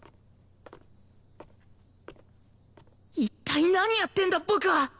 一体何やってんだ僕は！